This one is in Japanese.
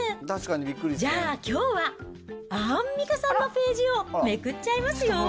じゃあきょうは、アンミカさんのページをめくっちゃいますよ。